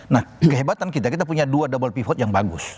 nah kehebatan kita kita punya dua double pivot yang bagus